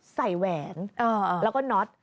แหวนแล้วก็น็อต